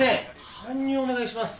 搬入お願いします。